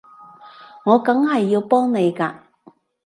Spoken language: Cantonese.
我梗係要幫你㗎